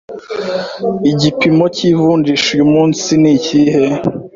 Igipimo cy’ivunjisha uyu munsi ni ikihe?